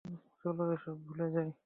চলো এসব ভুলে যাই।